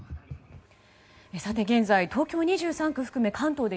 現在、東京２３区含め関東で